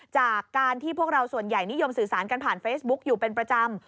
จากการที่พวกเราส่วนใหญ่นิยมสื่อสารกันผ่านเฟซบุ๊กอยู่เป็นประจำ